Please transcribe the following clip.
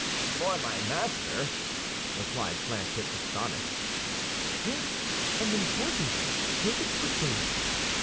"For my master?" replied Planchet, astonished. "Yes, and important. Take it quickly."